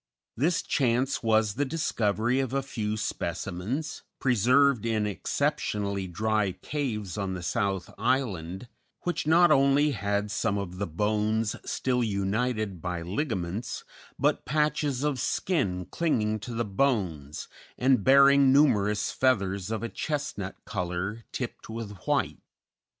This chance was the discovery of a few specimens, preserved in exceptionally dry caves on the South Island, which not only had some of the bones still united by ligaments, but patches of skin clinging to the bones, and bearing numerous feathers of a chestnut color tipped with white.